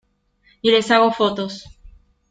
y les hago fotos.